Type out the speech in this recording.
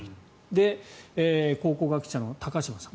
で、考古学者の高島さん。